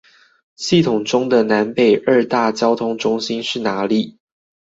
系統中的南北二大交通中心是哪裏？